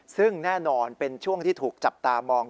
ซึ่งแน่นอนเป็นช่วงที่ถูกจับตามอง